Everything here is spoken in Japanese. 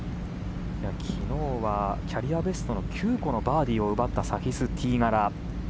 昨日はキャリアベストの９個のバーディーを奪ったサヒス・ティーガラ。